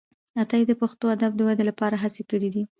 عطايي د پښتو ادب د ودې لپاره هڅي کړي دي.